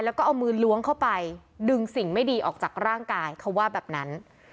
แล้วก็เอามือล้วงเข้าไปดึงสิ่งไม่ดีออกจากร่างกายเขาว่าแบบนั้น